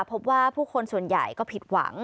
พบว่าผู้คนส่วนใหญ่ก็ผิดหวัง